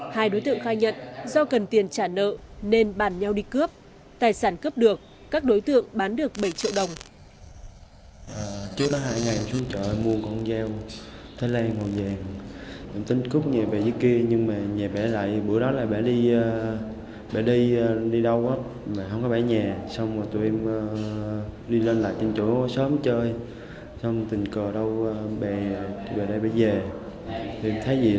hai đối tượng khai nhận do cần tiền trả nợ nên bàn nhau đi cướp tài sản cướp được các đối tượng bán được bảy triệu đồng